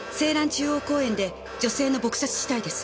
中央公園で女性の撲殺死体です。